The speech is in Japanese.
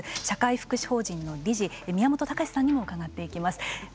社会福祉法人の理事宮本隆史さんにも伺っていきます。